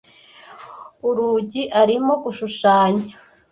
Urugi arimo gushushanya.